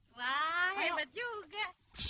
wah hebat juga